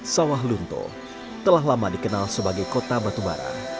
sawalunto telah lama dikenal sebagai kota batubara